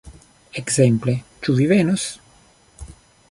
Ekzemple "Ĉu vi venos?